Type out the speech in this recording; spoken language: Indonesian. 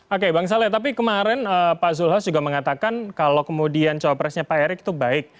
oke bang saleh tapi kemarin pak zulhas juga mengatakan kalau kemudian cawapresnya pak erick itu baik